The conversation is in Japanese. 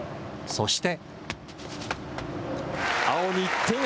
そして。